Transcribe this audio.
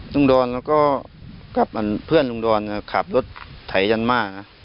ลุงดรแล้วก็กับเพื่อนลุงดรขาบรถไถจันทร์มากนะ